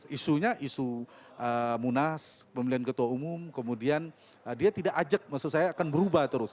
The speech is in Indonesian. isunya isu munas pemilihan ketua umum kemudian dia tidak ajak maksud saya akan berubah terus